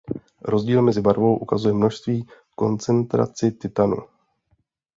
Rozdíl mezi barvou ukazuje množství koncentraci titanu.